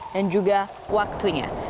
dan juga waktunya